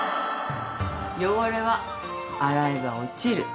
汚れは洗えば落ちる